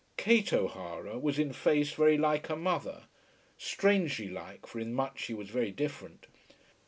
Kate O'Hara was in face very like her mother; strangely like, for in much she was very different.